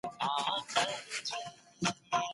پوه سړی اوس خپل ايمان ساتي.